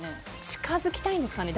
近づきたいんですかね